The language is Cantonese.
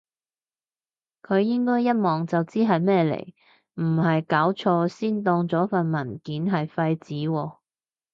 佢應該一望就知係咩嚟，唔係搞錯先當咗份文件係廢紙喎？